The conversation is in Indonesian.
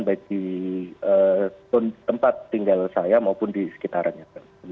jadi tempat tinggal saya maupun di sekitarannya